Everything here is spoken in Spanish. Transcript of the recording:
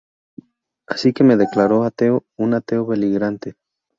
Así que me declaro ateo, un ateo beligerante.